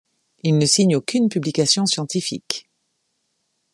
Il ne signe aucune publication scientifique.